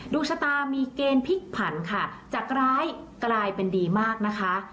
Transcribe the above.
ดวงชะตามีเกณฑ์พลิกผันค่ะจากร้ายกลายเป็นดีมากนะคะ